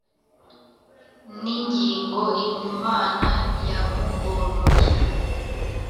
n' ingingo imana yamugoroye